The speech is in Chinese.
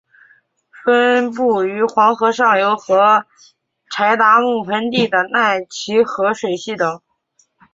分布于黄河上游和柴达木盆地的奈齐河水系等。